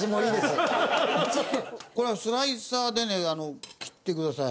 これはスライサーでね切ってください。